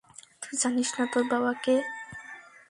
তুই জানিস না তোর বাবা কে?